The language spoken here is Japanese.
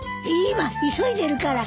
今急いでるから。